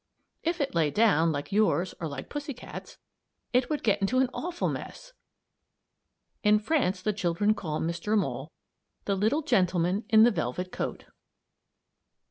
If it lay down, like yours or like pussy cat's, it would get into an awful mess! In France the children call Mr. Mole "The Little Gentleman in the Velvet Coat."